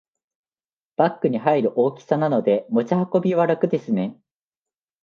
バッグに入る大きさなので持ち運びは楽ですね